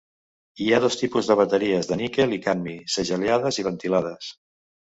Hi ha dos tipus de bateries de Níquel i Cadmi: segellades i ventilades.